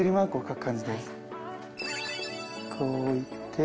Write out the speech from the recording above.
こういって。